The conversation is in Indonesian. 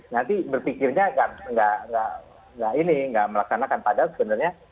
nanti berpikirnya akan nggak melaksanakan padat sebenarnya